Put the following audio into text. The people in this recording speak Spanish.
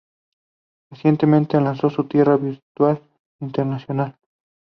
Recientemente lanzó su tienda virtual internacional.